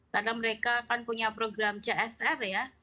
karena mereka akan punya program csr ya